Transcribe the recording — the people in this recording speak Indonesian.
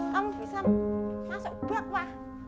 kamu bisa masuk belakang pak